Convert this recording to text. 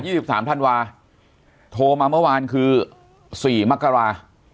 ตั้งแต่๒๓ธันวาท์โทรมาเมื่อวานคือ๔มกรา